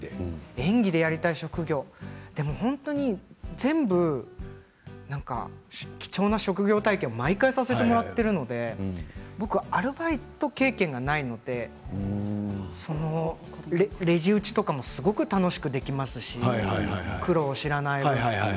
演技でやりたい職業を全部、貴重な職業体験を毎回させてもらってるので僕はアルバイト経験がないのでレジ打ちとかもすごく楽しくできますし苦労を知らない分。